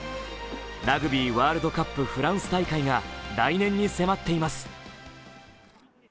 ラグビーワールドカップフランス大会が来年に迫っています。